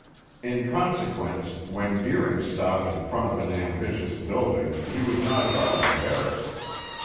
In consequence, when Deering stopped in front of an ambitious building he was not at all embarrassed.